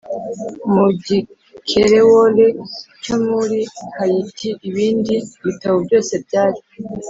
Mu gikerewole cyo muri hayiti ibindi bitabo byose byari